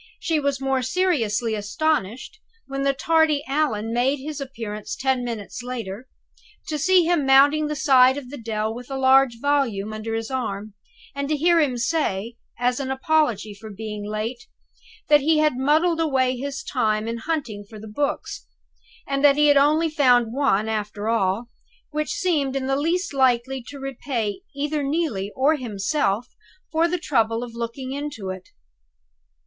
She was more seriously astonished, when the tardy Allan made his appearance ten minutes later, to see him mounting the side of the dell, with a large volume under his arm, and to hear him say, as an apology for being late, that "he had muddled away his time in hunting for the Books; and that he had only found one, after all, which seemed in the least likely to repay either Neelie or himself for the trouble of looking into it."